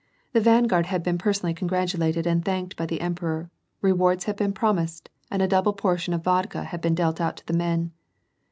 The vanguard had been personally congratulated and thanked by the emperor, rewards had been promised, and a double portion of vodka had been dealt out to the men.